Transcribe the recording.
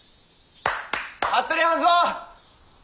服部半蔵！